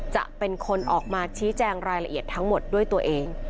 จะเป็นคนออกมาชี้แจงรายละเอียดทั้งหมดด้วยตัวเอง